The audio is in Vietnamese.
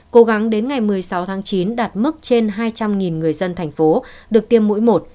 cố gắng đến ngày một mươi sáu tháng chín đạt mức trên hai trăm linh người dân thành phố được tiêm mũi một